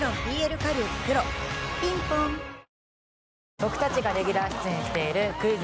僕たちがレギュラー出演している「クイズ！